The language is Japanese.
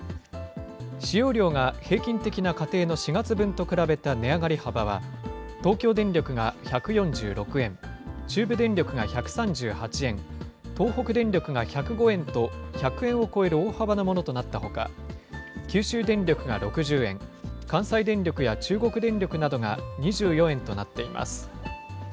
使用量が平均的な家庭の４月分と比べた値上がり幅は、東京電力が１４６円、中部電力が１３８円、東北電力が１０５円と、１００円を超える大幅なものとなったほか、九州電力が６０円、関西電力や中国電力などが２４円となっています。